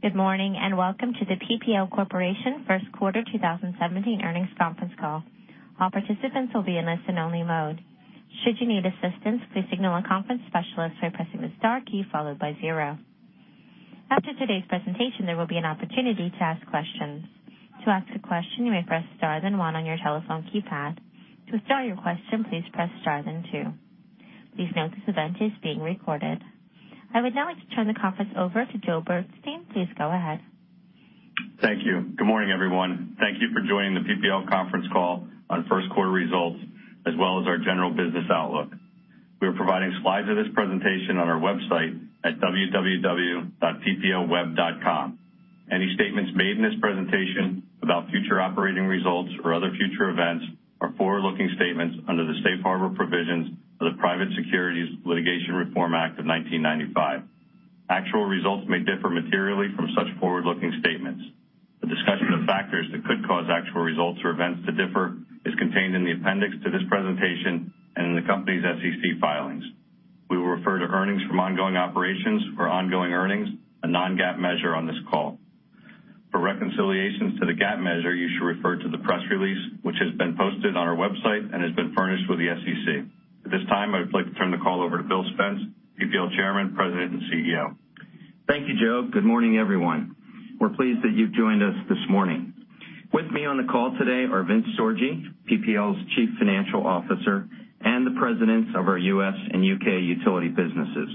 Good morning, welcome to the PPL Corporation first quarter 2017 earnings conference call. All participants will be in listen-only mode. Should you need assistance, please signal a conference specialist by pressing the star key, followed by 0. After today's presentation, there will be an opportunity to ask questions. To ask a question, you may press star, then 1 on your telephone keypad. To withdraw your question, please press star, then 2. Please note this event is being recorded. I would now like to turn the conference over to Joe Bergstein. Please go ahead. Thank you. Good morning, everyone. Thank you for joining the PPL conference call on first quarter results, as well as our general business outlook. We are providing slides of this presentation on our website at www.pplweb.com. Any statements made in this presentation about future operating results or other future events are forward-looking statements under the safe harbor provisions of the Private Securities Litigation Reform Act of 1995. Actual results may differ materially from such forward-looking statements. A discussion of factors that could cause actual results or events to differ is contained in the appendix to this presentation and in the company's SEC filings. We will refer to earnings from ongoing operations or ongoing earnings, a non-GAAP measure on this call. For reconciliations to the GAAP measure, you should refer to the press release, which has been posted on our website and has been furnished with the SEC. At this time, I would like to turn the call over to Bill Spence, PPL Chairman, President, and CEO. Thank you, Joe. Good morning, everyone. We're pleased that you've joined us this morning. With me on the call today are Vince Sorgi, PPL's Chief Financial Officer, and the presidents of our U.S. and U.K. utility businesses.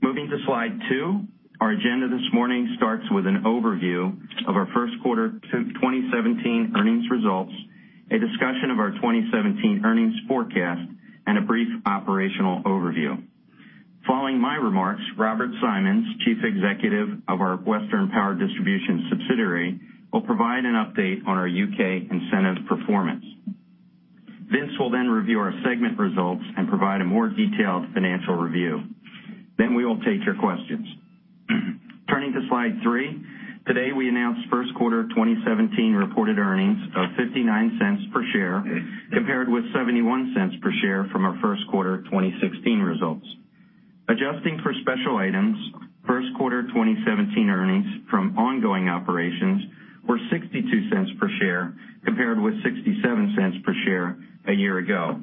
Moving to slide two, our agenda this morning starts with an overview of our first quarter 2017 earnings results, a discussion of our 2017 earnings forecast, and a brief operational overview. Following my remarks, Robert Symons, Chief Executive of our Western Power Distribution subsidiary, will provide an update on our U.K. incentive performance. Vince will review our segment results and provide a more detailed financial review. We will take your questions. Turning to slide three. Today, we announced first quarter 2017 reported earnings of $0.59 per share, compared with $0.71 per share from our first quarter 2016 results. Adjusting for special items, first-quarter 2017 earnings from ongoing operations were $0.62 per share compared with $0.67 per share a year ago.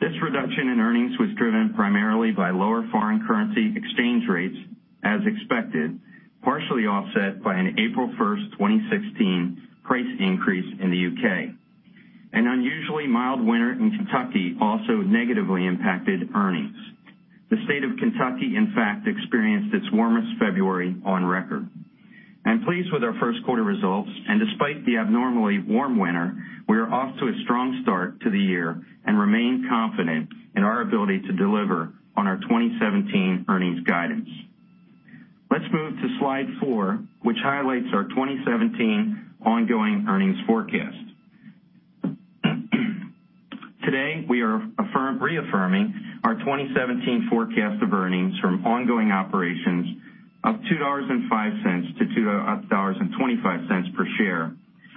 This reduction in earnings was driven primarily by lower foreign currency exchange rates as expected, partially offset by an April 1st, 2016, price increase in the U.K. An unusually mild winter in Kentucky also negatively impacted earnings. The state of Kentucky, in fact, experienced its warmest February on record. I am pleased with our first quarter results, and despite the abnormally warm winter, we are off to a strong start to the year and remain confident in our ability to deliver on our 2017 earnings guidance. Let's move to slide four, which highlights our 2017 ongoing earnings forecast. Today, we are reaffirming our 2017 forecast of earnings from ongoing operations of $2.05 to $2.25 per share,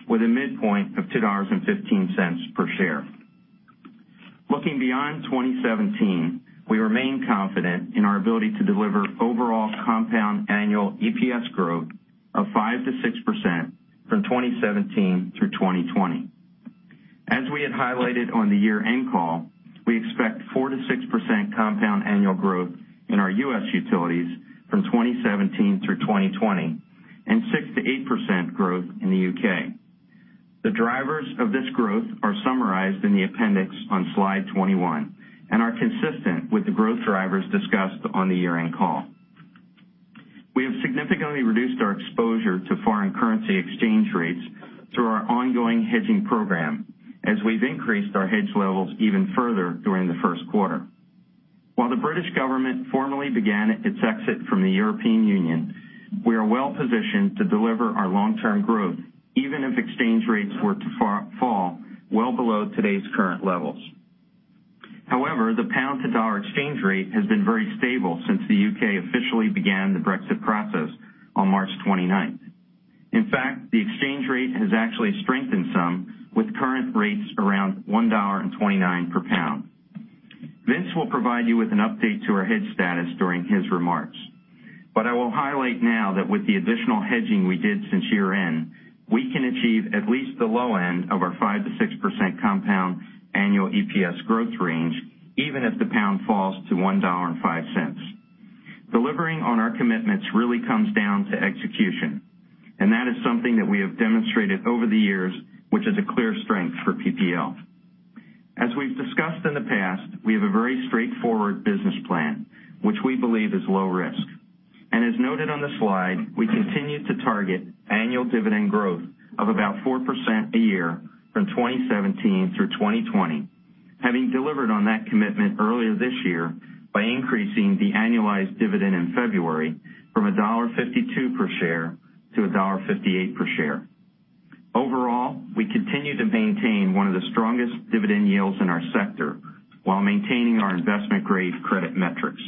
with a midpoint of $2.15 per share. Looking beyond 2017, we remain confident in our ability to deliver overall compound annual EPS growth of 5%-6% from 2017 through 2020. As we had highlighted on the year-end call, we expect 4%-6% compound annual growth in our U.S. utilities from 2017 through 2020, and 6%-8% growth in the U.K. The drivers of this growth are summarized in the appendix on slide 21 and are consistent with the growth drivers discussed on the year-end call. We have significantly reduced our exposure to foreign currency exchange rates through our ongoing hedging program, as we have increased our hedge levels even further during the first quarter. While the British government formally began its exit from the European Union, we are well-positioned to deliver our long-term growth even if exchange rates were to fall well below today's current levels. However, the GBP-to-dollar exchange rate has been very stable since the U.K. officially began the Brexit process on March 29th. In fact, the exchange rate has actually strengthened some, with current rates around $1.29 per GBP. Vince will provide you with an update to our hedge status during his remarks. But I will highlight now that with the additional hedging we did since year-end, we can achieve at least the low end of our 5%-6% compound annual EPS growth range, even if the GBP falls to $1.05. Delivering on our commitments really comes down to execution, and that is something that we have demonstrated over the years, which is a clear strength for PPL. As we have discussed in the past, we have a very straightforward business plan, which we believe is low risk. As noted on the slide, we continue to target annual dividend growth of about 4% a year from 2017 through 2020, having delivered on that commitment earlier this year by increasing the annualized dividend in February from $1.52 per share to $1.58 per share. Overall, we continue to maintain one of the strongest dividend yields in our sector while maintaining our investment-grade credit metrics.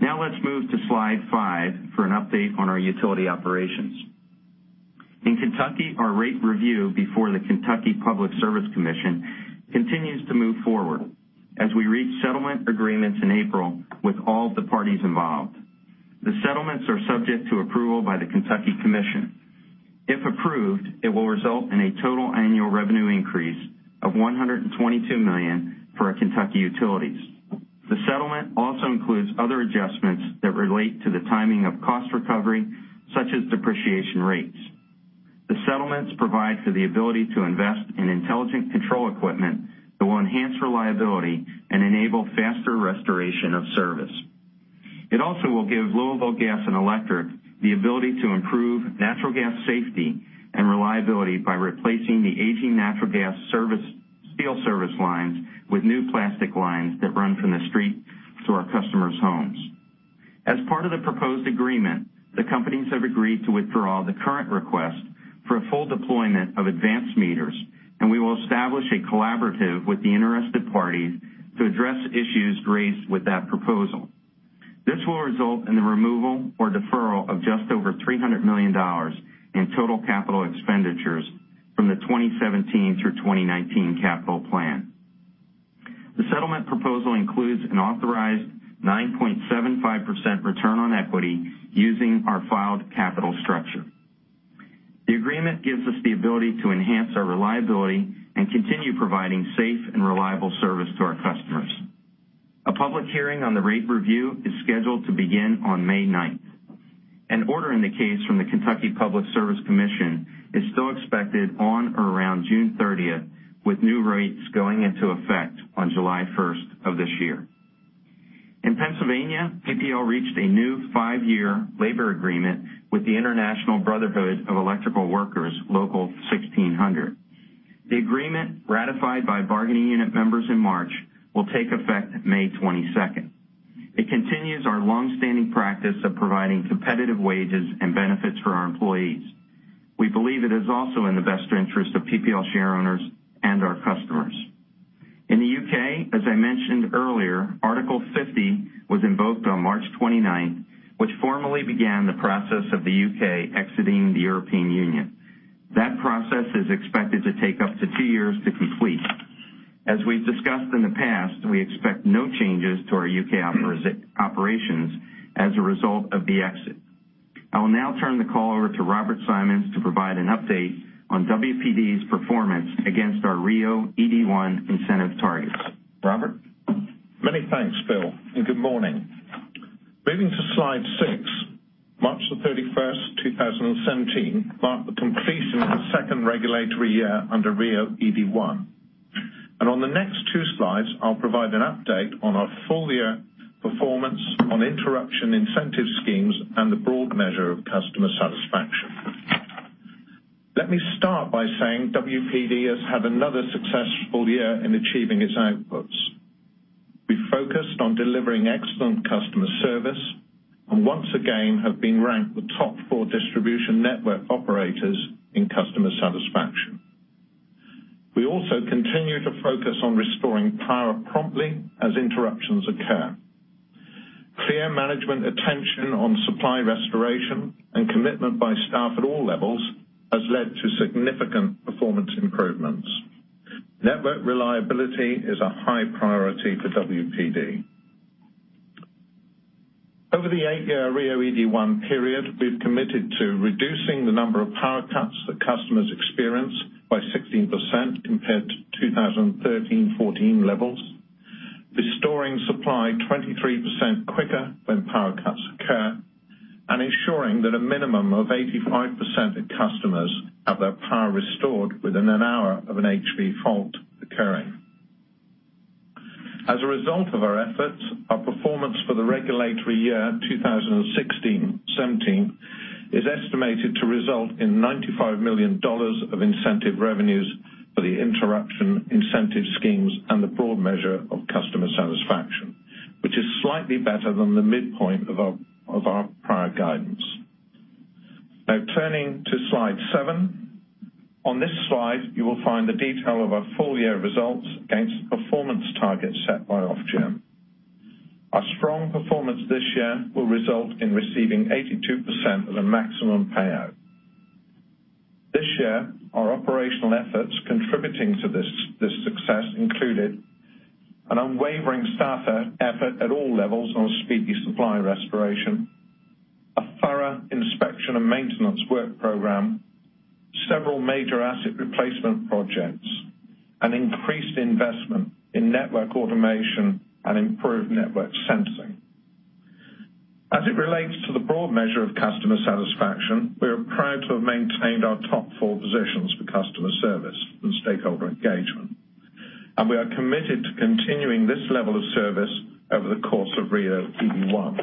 Now let's move to slide five for an update on our utility operations. In Kentucky, our rate review before the Kentucky Public Service Commission continues to move forward as we reach settlement agreements in April with all of the parties involved. The settlements are subject to approval by the Kentucky Commission. If approved, it will result in a total annual revenue increase of $122 million for our Kentucky utilities. The settlement also includes other adjustments that relate to the timing of cost recovery, such as depreciation rates. The settlements provide for the ability to invest in intelligent control equipment that will enhance reliability and enable faster restoration of service. It also will give Louisville Gas and Electric the ability to improve natural gas safety and reliability by replacing the aging natural gas steel service lines with new plastic lines that run from the street to our customers' homes. As part of the proposed agreement, the companies have agreed to withdraw the current request for a full deployment of advanced meters, and we will establish a collaborative with the interested parties to address issues raised with that proposal. This will result in the removal or deferral of just over $300 million in total capital expenditures from the 2017 through 2019 capital plan. The settlement proposal includes an authorized 9.75% return on equity using our filed capital structure. The agreement gives us the ability to enhance our reliability and continue providing safe and reliable service to our customers. A public hearing on the rate review is scheduled to begin on May 9th. An order in the case from the Kentucky Public Service Commission is still expected on or around June 30th, with new rates going into effect on July 1st of this year. In Pennsylvania, PPL reached a new five-year labor agreement with the International Brotherhood of Electrical Workers Local 1600. The agreement, ratified by bargaining unit members in March, will take effect May 22nd. It continues our longstanding practice of providing competitive wages and benefits for our employees. We believe it is also in the best interest of PPL shareowners and our customers. In the U.K., as I mentioned earlier, Article 50 was invoked on March 29th, which formally began the process of the U.K. exiting the European Union. That process is expected to take up to two years to complete. As we've discussed in the past, we expect no changes to our U.K. operations as a result of the exit. I will now turn the call over to Robert Symons to provide an update on WPD's performance against our RIIO-ED1 incentive targets. Robert? Many thanks, Bill, and good morning. Moving to slide six, March the 31st 2017 marked the completion of the second regulatory year under RIIO-ED1. On the next two slides, I'll provide an update on our full-year performance on interruption incentive schemes and the broad measure of customer satisfaction. Let me start by saying WPD has had another successful year in achieving its outputs. We focused on delivering excellent customer service and once again have been ranked the top four distribution network operators in customer satisfaction. We also continue to focus on restoring power promptly as interruptions occur. Clear management attention on supply restoration and commitment by staff at all levels has led to significant performance improvements. Network reliability is a high priority for WPD. Over the eight-year RIIO-ED1 period, we have committed to reducing the number of power cuts that customers experience by 16% compared to 2013-2014 levels, restoring supply 23% quicker when power cuts occur, and ensuring that a minimum of 85% of customers have their power restored within an hour of an HV fault occurring. As a result of our efforts, our performance for the regulatory year 2016-2017 is estimated to result in $95 million of incentive revenues for the interruption incentive schemes and the broad measure of customer satisfaction, which is slightly better than the midpoint of our prior guidance. Turning to slide seven. On this slide, you will find the detail of our full-year results against performance targets set by Ofgem. Our strong performance this year will result in receiving 82% of the maximum payout. This year, our operational efforts contributing to this success included an unwavering staff effort at all levels on speedy supply restoration, a thorough inspection and maintenance work program, several major asset replacement projects, and increased investment in network automation and improved network sensing. As it relates to the broad measure of customer satisfaction, we are proud to have maintained our top four positions for customer service and stakeholder engagement. We are committed to continuing this level of service over the course of RIIO-ED1.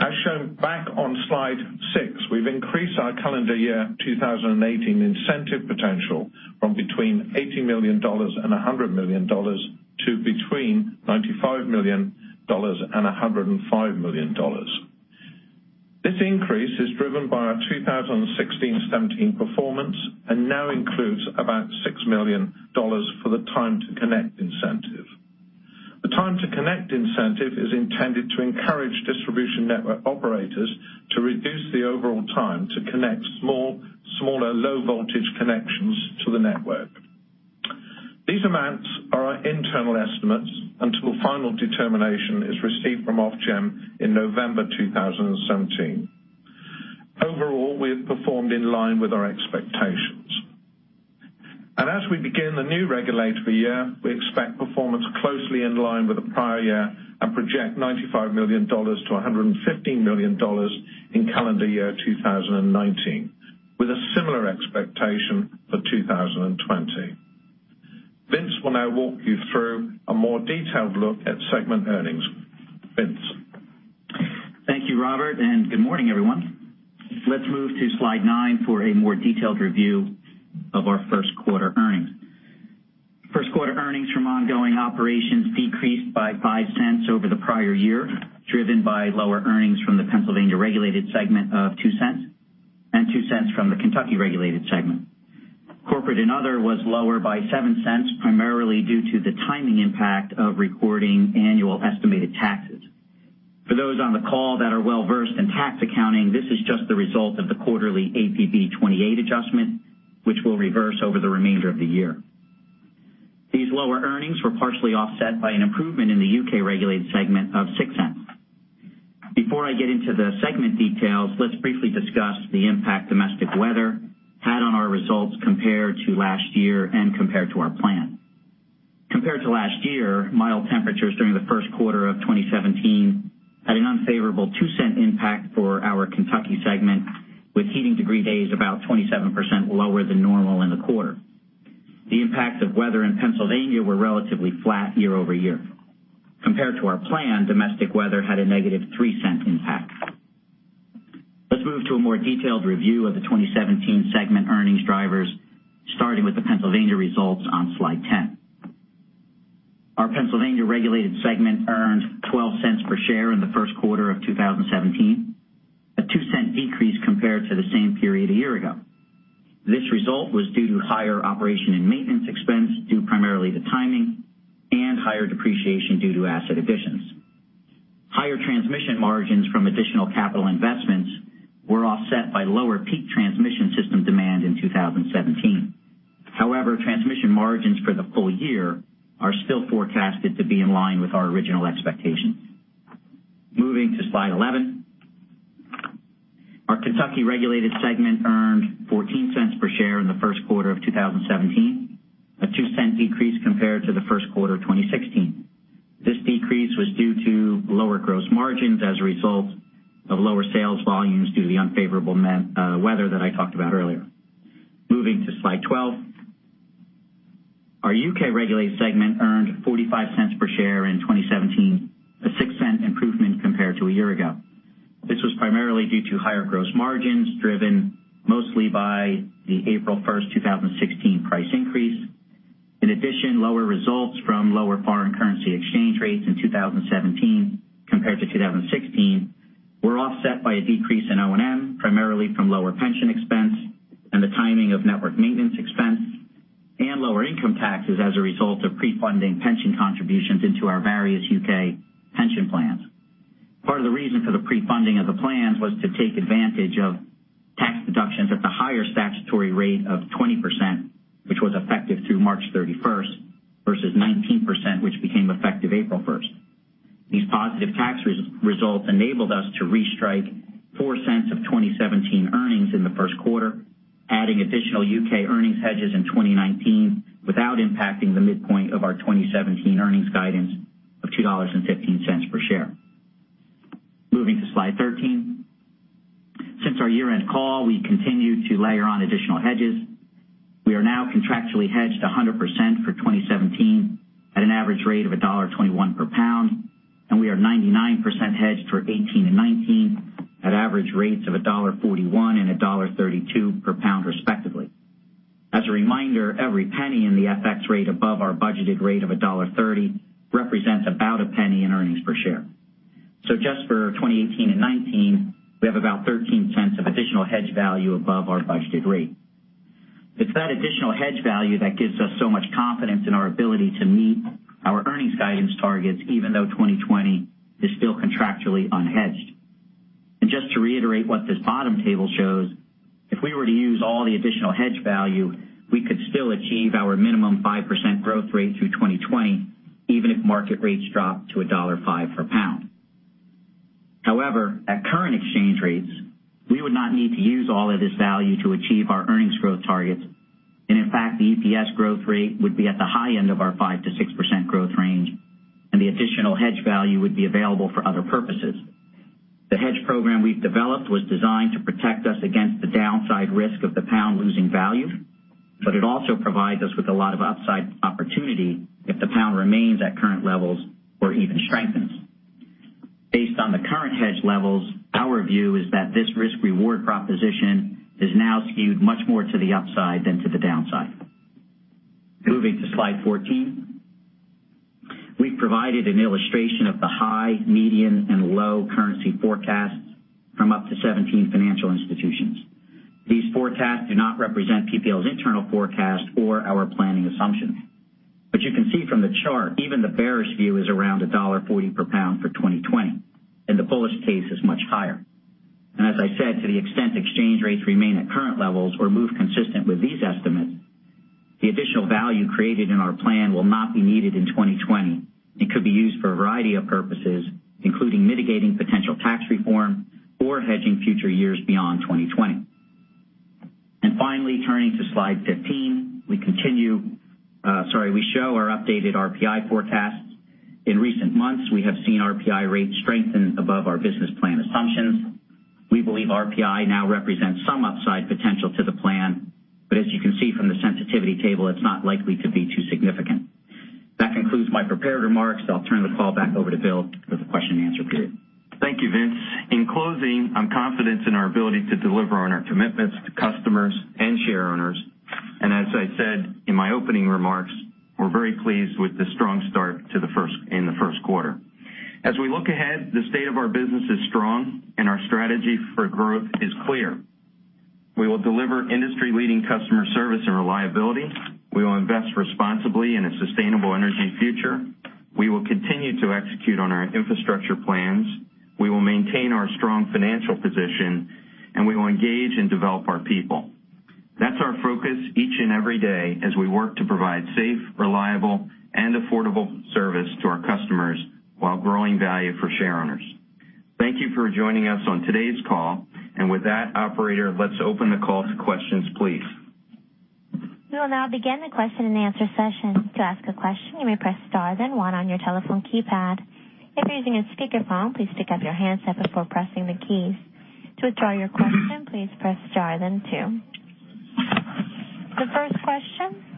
As shown back on slide six, we have increased our calendar year 2018 incentive potential from between $80 million and $100 million to between $95 million and $105 million. This increase is driven by our 2016-2017 performance and now includes about $6 million for the Time-to-Connect Incentive. The Time-to-Connect Incentive is intended to encourage distribution network operators to reduce the overall time to connect smaller low-voltage connections to the network. These amounts are our internal estimates until final determination is received from Ofgem in November 2017. Overall, we have performed in line with our expectations. As we begin the new regulatory year, we expect performance closely in line with the prior year and project $95 million to $115 million in calendar year 2019, with a similar expectation for 2020. Vince will now walk you through a more detailed look at segment earnings. Vince? Thank you, Robert, and good morning, everyone. Let us move to slide nine for a more detailed review of our first quarter earnings. First quarter earnings from ongoing operations decreased by $0.05 over the prior year, driven by lower earnings from the Pennsylvania regulated segment of $0.02 and $0.02 from the Kentucky regulated segment. Corporate and other was lower by $0.07, primarily due to the timing impact of recording annual estimated taxes. For those on the call that are well-versed in tax accounting, this is just the result of the quarterly APB 28 adjustment, which will reverse over the remainder of the year. These lower earnings were partially offset by an improvement in the U.K.-regulated segment of $0.06. Before I get into the segment details, let us briefly discuss the impact domestic weather had on our results compared to last year and compared to our plan. Compared to last year, mild temperatures during the first quarter of 2017 had an unfavorable $0.02 impact for our Kentucky segment, with heating degree days about 27% lower than normal in the quarter. The impacts of weather in Pennsylvania were relatively flat year-over-year. Compared to our plan, domestic weather had a negative $0.03 impact. Let's move to a more detailed review of the 2017 segment earnings drivers, starting with the Pennsylvania results on slide 10. Our Pennsylvania regulated segment earned $0.12 per share in the first quarter of 2017, a $0.02 decrease compared to the same period a year ago. This result was due to higher operation and maintenance expense, due primarily to timing, and higher depreciation due to asset additions. Higher transmission margins from additional capital investments were offset by lower peak transmission system demand in 2017. Transmission margins for the full year are still forecasted to be in line with our original expectations. Moving to slide 11. Our Kentucky regulated segment earned $0.14 per share in the first quarter of 2017, a $0.02 decrease compared to the first quarter of 2016. This decrease was due to lower gross margins as a result of lower sales volumes due to the unfavorable weather that I talked about earlier. Moving to slide 12. Our U.K.-regulated segment earned $0.45 per share in 2017, a $0.06 improvement compared to a year ago. This was primarily due to higher gross margins, driven mostly by the April 1st, 2016, price increase. Lower results from lower foreign currency exchange rates in 2017 compared to 2016 were offset by a decrease in O&M, primarily from lower pension expense and the timing of network maintenance expense and lower income taxes as a result of pre-funding pension contributions into our various U.K. pension plans. Part of the reason for the pre-funding of the plans was to take advantage of tax deductions at the higher statutory rate of 20%, which was effective through March 31st versus 19%, which became effective April 1st. These positive tax results enabled us to restrike $0.04 of 2017 earnings in the first quarter, adding additional U.K. earnings hedges in 2019 without impacting the midpoint of our 2017 earnings guidance of $2.15 per share. Moving to slide 13. Since our year-end call, we continued to layer on additional hedges. We are now contractually hedged 100% for 2017 at an average rate of $1.21 per pound, and we are 99% hedged for 2018 and 2019 at average rates of $1.41 and $1.32 per pound respectively. As a reminder, every $0.01 in the FX rate above our budgeted rate of $1.30 represents about a $0.01 in earnings per share. Just for 2018 and 2019, we have about $0.13 of additional hedge value above our budgeted rate. It's that additional hedge value that gives us so much confidence in our ability to meet our earnings guidance targets even though 2020 is still contractually unhedged. And just to reiterate what this bottom table shows, if we were to use all the additional hedge value, we could still achieve our minimum 5% growth rate through 2020 even if market rates dropped to $1.05 per pound. At current exchange rates, we would not need to use all of this value to achieve our earnings growth targets. In fact, the EPS growth rate would be at the high end of our 5%-6% growth range. The additional hedge value would be available for other purposes. The hedge program we've developed was designed to protect us against the downside risk of the pound losing value. It also provides us with a lot of upside opportunity if the pound remains at current levels or even strengthens. Based on the current hedge levels, our view is that this risk-reward proposition is now skewed much more to the upside than to the downside. Moving to slide 14. We've provided an illustration of the high, median, and low currency forecasts from up to 17 financial institutions. These forecasts do not represent PPL's internal forecast or our planning assumptions. You can see from the chart, even the bearish view is around $1.40 per pound for 2020. The bullish case is much higher. As I said, to the extent exchange rates remain at current levels or move consistent with these estimates, the additional value created in our plan will not be needed in 2020. It could be used for a variety of purposes, including mitigating potential tax reform or hedging future years beyond 2020. Finally, turning to slide 15, we show our updated RPI forecasts. In recent months, we have seen RPI rates strengthen above our business plan assumptions. We believe RPI now represents some upside potential to the plan. As you can see from the sensitivity table, it's not likely to be too significant. That concludes my prepared remarks. I'll turn the call back over to Bill for the question and answer period. Thank you, Vince. In closing, I'm confident in our ability to deliver on our commitments to customers and share owners. As I said in my opening remarks, we're very pleased with the strong start in the first quarter. As we look ahead, the state of our business is strong. Our strategy for growth is clear. We will deliver industry-leading customer service and reliability, we will invest responsibly in a sustainable energy future, we will continue to execute on our infrastructure plans, we will maintain our strong financial position, we will engage and develop our people. That's our focus each and every day as we work to provide safe, reliable, and affordable service to our customers while growing value for share owners. Thank you for joining us on today's call. With that, operator, let's open the call to questions, please. We will now begin the question and answer session. To ask a question, you may press star then one on your telephone keypad. If you're using a speakerphone, please pick up your handset before pressing the keys. To withdraw your question, please press star then two. The first question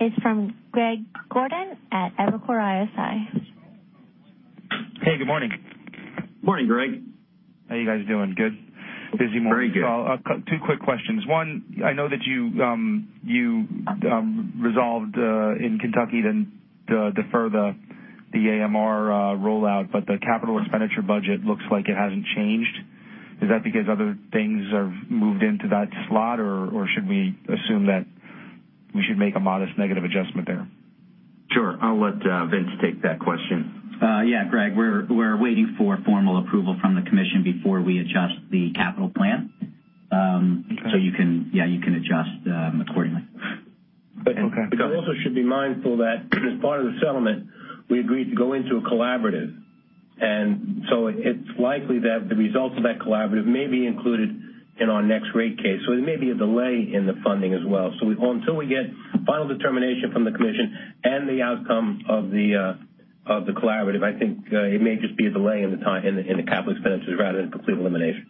is from Greg Gordon at Evercore ISI. Hey, good morning. Morning, Greg. How you guys doing? Good. Busy morning. Very good. Two quick questions. One, I know that you resolved in Kentucky to defer the AMI rollout, but the capital expenditure budget looks like it hasn't changed. Is that because other things have moved into that slot, or should we assume that we should make a modest negative adjustment there? Sure. I'll let Vince take that question. Yeah, Greg, we're waiting for formal approval from the commission before we adjust the capital plan. Okay. You can adjust accordingly. Okay. Got it. We also should be mindful that as part of the settlement, we agreed to go into a collaborative, it's likely that the results of that collaborative may be included in our next rate case. There may be a delay in the funding as well. Until we get final determination from the commission and the outcome of the collaborative, I think it may just be a delay in the cap expenses rather than complete elimination.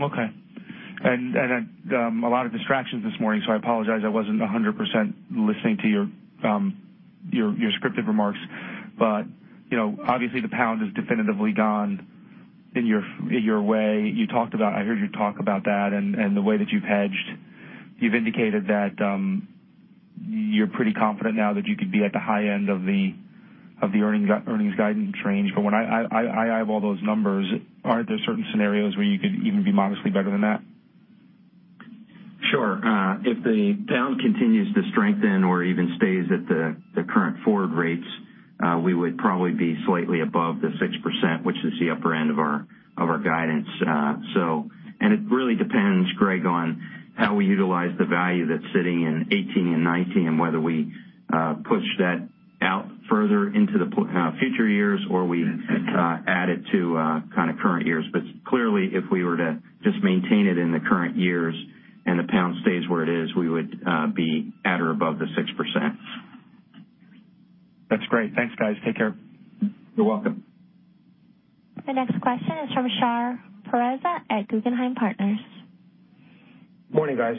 Okay. I had a lot of distractions this morning, I apologize, I wasn't 100% listening to your scripted remarks. Obviously the pound has definitively gone your way. I heard you talk about that and the way that you've hedged. You've indicated that you're pretty confident now that you could be at the high end of the earnings guidance range. When I eye up all those numbers, aren't there certain scenarios where you could even be modestly better than that? Sure. If the pound continues to strengthen or even stays at the current forward rates, we would probably be slightly above the 6%, which is the upper end of our guidance. It really depends, Greg, on how we utilize the value that's sitting in 2018 and 2019, and whether we push that out further into the future years, or we add it to current years. Clearly, if we were to just maintain it in the current years and the pound stays where it is, we would be at or above the 6%. That's great. Thanks, guys. Take care. You're welcome. The next question is from Shahriar Pourreza at Guggenheim Partners. Morning, guys.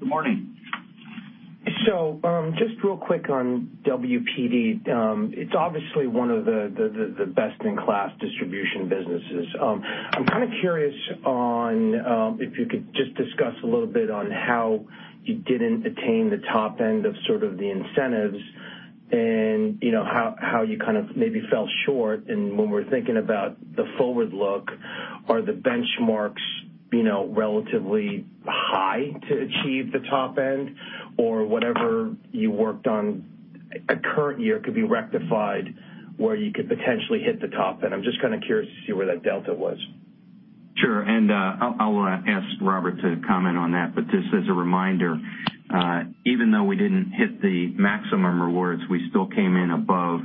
Good morning. Just real quick on WPD. It's obviously one of the best-in-class distribution businesses. I'm kind of curious if you could just discuss a little bit on how you didn't attain the top end of sort of the incentives and how you kind of maybe fell short. When we're thinking about the forward look, are the benchmarks relatively high to achieve the top end? Or whatever you worked on at current year could be rectified where you could potentially hit the top end? I'm just kind of curious to see where that delta was. Sure. I'll ask Robert to comment on that. Just as a reminder, even though we didn't hit the maximum rewards, we still came in above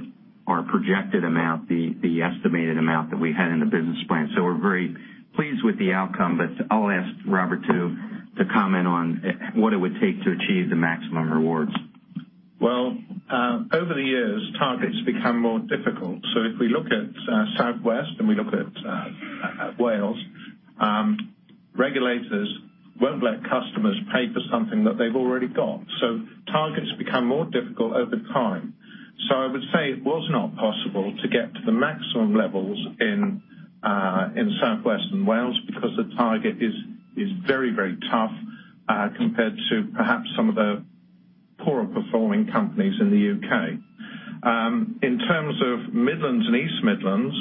our projected amount, the estimated amount that we had in the business plan. We're very pleased with the outcome. I'll ask Robert to comment on what it would take to achieve the maximum rewards. Over the years, targets become more difficult. If we look at Southwest and we look at Wales, regulators won't let customers pay for something that they've already got. Targets become more difficult over time. I would say it was not possible to get to the maximum levels in Southwest and Wales because the target is very tough compared to perhaps some of the poorer performing companies in the U.K. In terms of Midlands and East Midlands,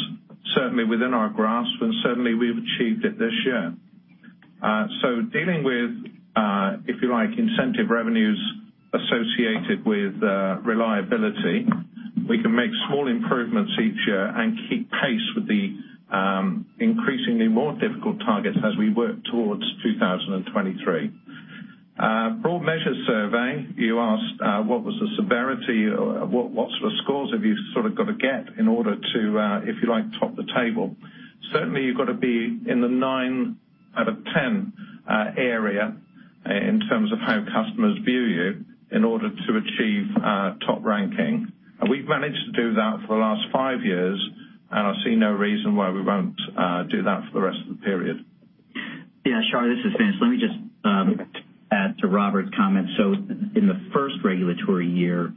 certainly within our grasp, and certainly we've achieved it this year. Dealing with, if you like, incentive revenues associated with reliability, we can make small improvements each year and keep pace with the increasingly more difficult targets as we work towards 2023. Broad Measure Survey, you asked what was the severity, what sort of scores have you got to get in order to, if you like, top the table. Certainly, you've got to be in the 9 out of 10 area in terms of how customers view you in order to achieve a top ranking. We've managed to do that for the last 5 years, and I see no reason why we won't do that for the rest of the period. Yeah. Shahriar, this is Vince. Let me just add to Robert's comment. In the 1st regulatory year,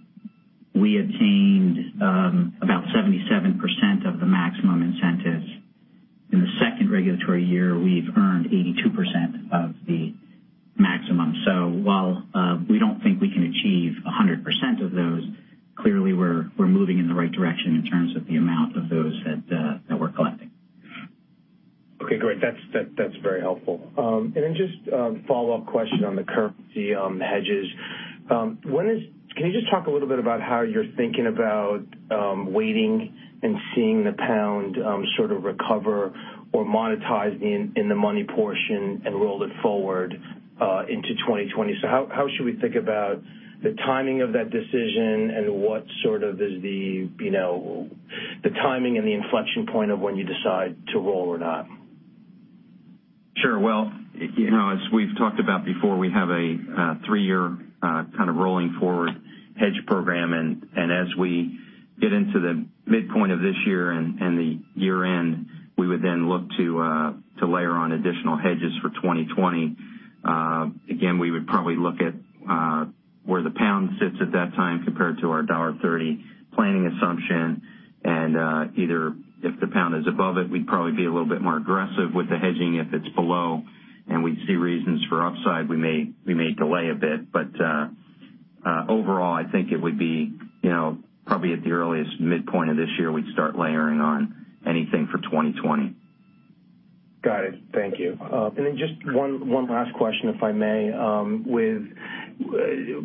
we attained about 77% of the maximum incentives. In the 2nd regulatory year, we've earned 82% of the maximum. While we don't think we can achieve 100% of those, clearly we're moving in the right direction in terms of the amount of those that we're collecting. Okay, great. That's very helpful. Then just a follow-up question on the currency on the hedges. Can you just talk a little bit about how you're thinking about waiting and seeing the pound sort of recover or monetize in the money portion and roll it forward into 2020? How should we think about the timing of that decision and what sort of is the timing and the inflection point of when you decide to roll or not? Sure. Well, as we've talked about before, we have a three-year kind of rolling forward hedge program. As we get into the midpoint of this year and the year-end, we would then look to layer on additional hedges for 2020. We would probably look at where the pound sits at that time compared to our $1.30 planning assumption. Either if the pound is above it, we'd probably be a little bit more aggressive with the hedging. If it's below and we see reasons for upside, we may delay a bit. Overall, I think it would be probably at the earliest midpoint of this year, we'd start layering on anything for 2020. Got it. Thank you. Just one last question, if I may.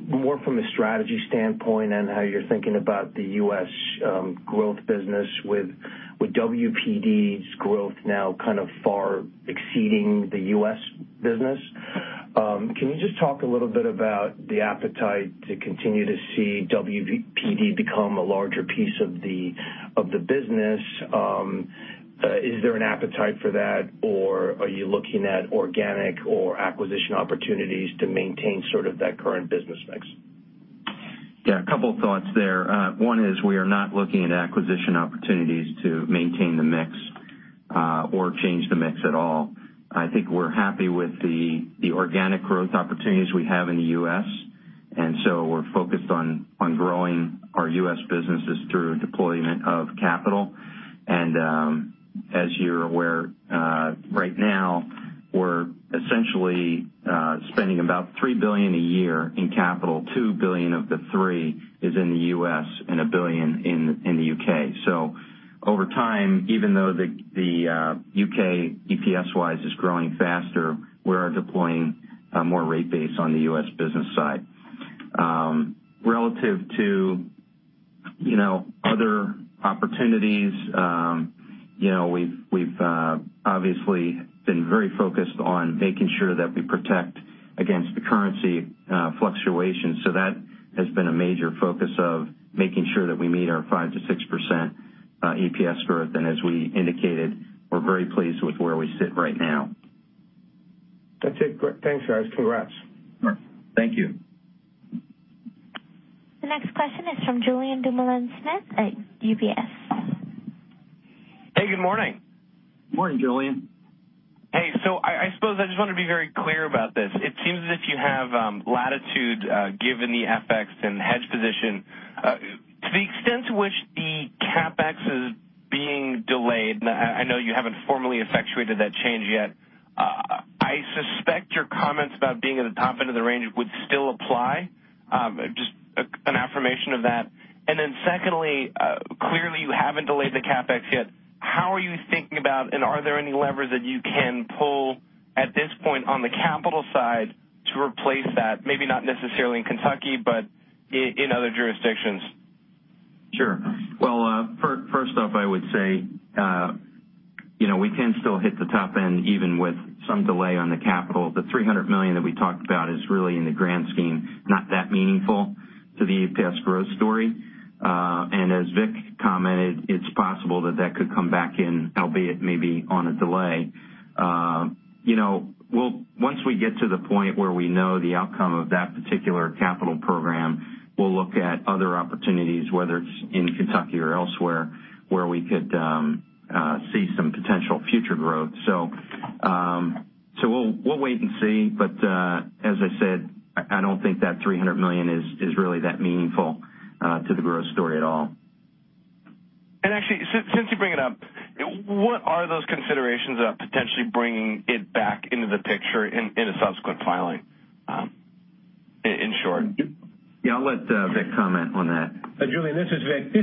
More from a strategy standpoint and how you're thinking about the U.S. growth business with WPD's growth now kind of far exceeding the U.S. business. Can you just talk a little bit about the appetite to continue to see WPD become a larger piece of the business? Is there an appetite for that, or are you looking at organic or acquisition opportunities to maintain sort of that current business mix? Yeah, a couple of thoughts there. One is we are not looking at acquisition opportunities to maintain the mix or change the mix at all. I think we're happy with the organic growth opportunities we have in the U.S. We're focused on growing our U.S. businesses through deployment of capital. As you're aware, right now we're essentially spending about $3 billion a year in capital. $2 billion of the three is in the U.S. and $1 billion in the U.K. Over time, even though the U.K. EPS-wise is growing faster, we are deploying more rate base on the U.S. business side. Relative to other opportunities, we've obviously been very focused on making sure that we protect against the currency fluctuations. That has been a major focus of making sure that we meet our 5%-6% EPS growth. As we indicated, we're very pleased with where we sit right now. That's it. Great. Thanks, guys. Congrats. Thank you. The next question is from Julien Dumoulin-Smith at UBS. Hey, good morning. Morning, Julien. Hey. I suppose I just want to be very clear about this. It seems as if you have latitude given the FX and hedge position. To the extent to which the CapEx is being delayed, I know you haven't formally effectuated that change yet. I suspect your comments about being at the top end of the range would still apply. Just an affirmation of that. Secondly, clearly you haven't delayed the CapEx yet. How are you thinking about, and are there any levers that you can pull at this point on the capital side to replace that, maybe not necessarily in Kentucky, but in other jurisdictions? Sure. First off, I would say we can still hit the top end even with some delay on the capital. The $300 million that we talked about is really in the grand scheme, not that meaningful to the EPS growth story. As Vic commented, it's possible that that could come back in, albeit maybe on a delay. Once we get to the point where we know the outcome of that particular capital program, we'll look at other opportunities, whether it's in Kentucky or elsewhere, where we could see some potential future growth. We'll wait and see, but as I said, I don't think that $300 million is really that meaningful to the growth story at all. Since you bring it up, what are those considerations of potentially bringing it back into the picture in a subsequent filing, in short? Yeah, I'll let Vic comment on that. Julien, this is Vic.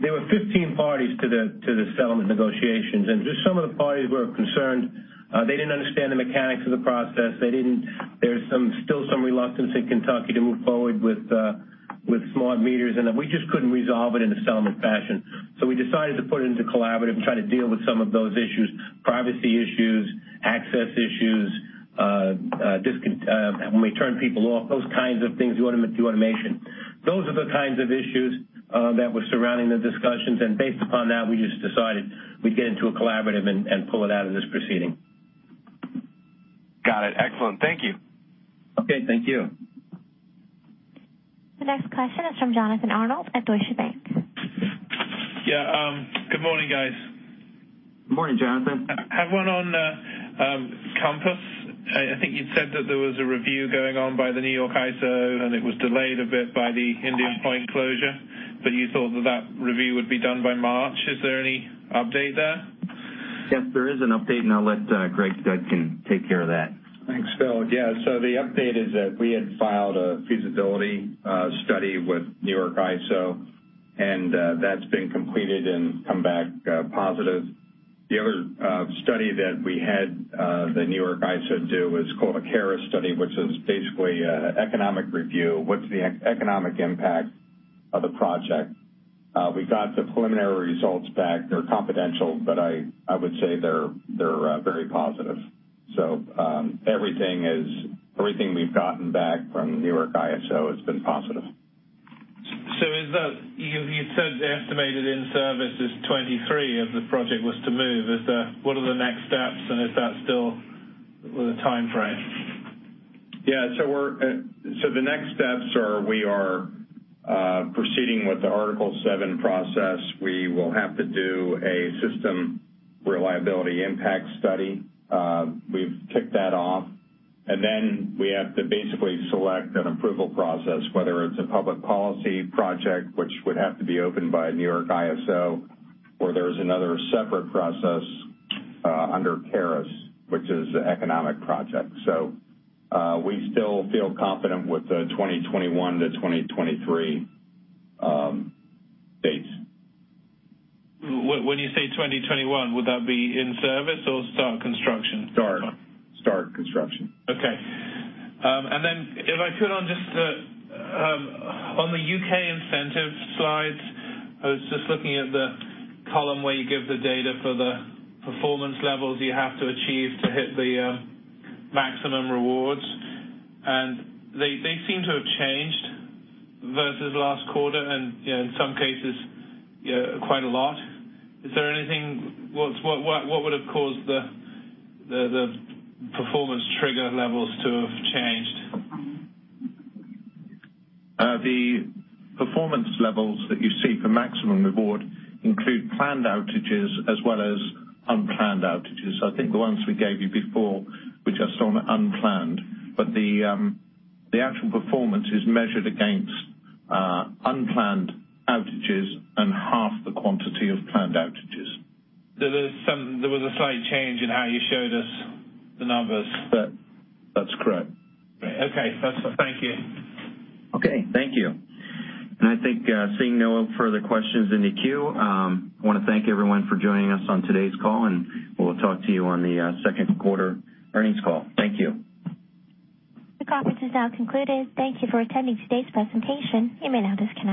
There were 15 parties to the settlement negotiations, some of the parties were concerned. They didn't understand the mechanics of the process. There's still some reluctance in Kentucky to move forward with smart meters, we just couldn't resolve it in a settlement fashion. We decided to put it into collaborative and try to deal with some of those issues, privacy issues, access issues, when we turn people off, those kinds of things through automation. Those are the kinds of issues that were surrounding the discussions, based upon that, we just decided we'd get into a collaborative and pull it out of this proceeding. Got it. Excellent. Thank you. Okay, thank you. The next question is from Jonathan Arnold at Deutsche Bank. Yeah, good morning, guys. Good morning, Jonathan. I have one on Compass. I think you'd said that there was a review going on by the New York ISO, and it was delayed a bit by the Indian Point closure, but you thought that that review would be done by March. Is there any update there? Yes, there is an update, and I'll let Gregory Dudkin take care of that. Thanks, Bill. The update is that we had filed a feasibility study with New York ISO, and that's been completed and come back positive. The other study that we had the New York ISO do was called a CARIS study, which is basically an economic review. What's the economic impact of the project? We got the preliminary results back. They're confidential, but I would say they're very positive. Everything we've gotten back from New York ISO has been positive. You said the estimated in-service is 2023 if the project was to move. What are the next steps, and is that still the timeframe? Yeah, the next steps are we are proceeding with the Article VII process. We will have to do a system reliability impact study. We've kicked that off. We have to basically select an approval process, whether it's a public policy project, which would have to be opened by New York ISO, or there's another separate process under CARIS, which is an economic project. We still feel confident with the 2021 to 2023 dates. When you say 2021, would that be in service or start construction? Start construction. Okay. Then if I could, on the U.K. incentive slides, I was just looking at the column where you give the data for the performance levels you have to achieve to hit the maximum rewards, and they seem to have changed versus last quarter and, in some cases, quite a lot. What would have caused the performance trigger levels to have changed? The performance levels that you see for maximum reward include planned outages as well as unplanned outages. I think the ones we gave you before were just on unplanned. The actual performance is measured against unplanned outages and half the quantity of planned outages. There was a slight change in how you showed us the numbers. That's correct. Okay. That's it. Thank you. Okay, thank you. I think, seeing no further questions in the queue, I want to thank everyone for joining us on today's call, and we'll talk to you on the second quarter earnings call. Thank you. The conference is now concluded. Thank you for attending today's presentation. You may now disconnect.